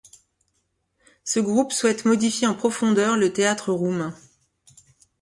Ce groupe souhaite modifier en profondeur le théâtre roumain.